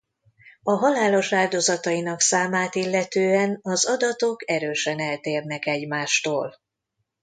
A halálos áldozatainak számát illetően az adatok erősen eltérnek egymástól.